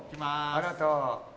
ありがとう。